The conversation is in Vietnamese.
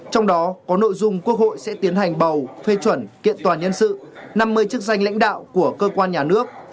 trong đó có nội dung quốc hội sẽ tiến hành bầu phê chuẩn kiện toàn nhân sự năm mươi chức danh lãnh đạo của cơ quan nhà nước